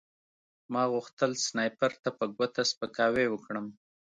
ما غوښتل سنایپر ته په ګوته سپکاوی وکړم